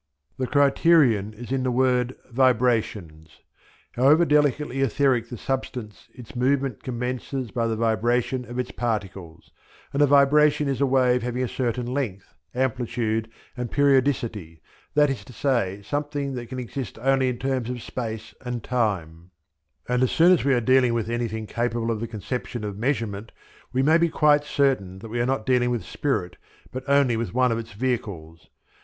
The criterion is in the word "vibrations." However delicately etheric the substance its movement commences by the vibration of its particles, and a vibration is a wave having a certain length, amplitude, and periodicity, that is to say, something which can exist only in terms of space and time; and as soon as we are dealing with anything capable of the conception of measurement we may be quite certain that we are not dealing with Spirit but only with one of its vehicles.